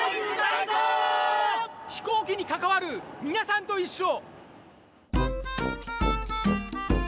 飛行機にかかわるみなさんといっしょ！